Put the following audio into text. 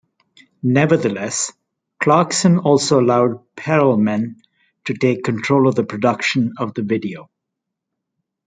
Nevertheless, Clarkson also allowed Perelman to take control of the production of the video.